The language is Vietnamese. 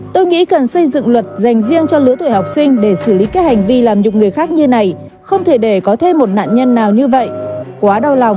tôi nghĩ cần xây dựng luật dành riêng cho lứa tuổi học sinh để xử lý các hành vi làm nhục người khác như này không thể để có thêm một nạn nhân nào như vậy quá đau lòng